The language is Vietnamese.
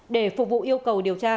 để phục vụ yêu cầu điều tra